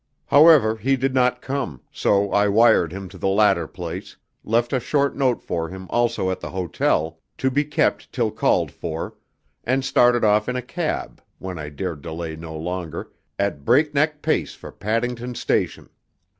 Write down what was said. However, he did not come, so I wired him to the latter place, left a short note for him also at the hotel, to be kept till called for, and started off in a cab (when I dared delay no longer) at breakneck pace for Paddington station.